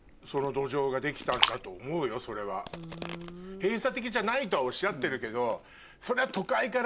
「閉鎖的じゃない」とはおっしゃってるけど。